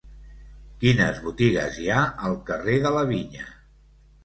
Quines botigues hi ha al carrer de la Vinya?